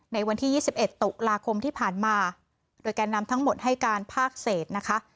ในวันที่๒๑ตุลาคมที่ผ่านมาโดยแกนนำทั้งหมดให้การภาคเศษนะคะ